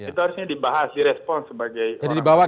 itu harusnya dibahas direspon sebagai orang luar tentu